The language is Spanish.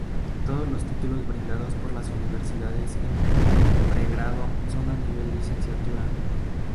Todos los títulos brindados por las universidades en pregrado son a nivel Licenciatura.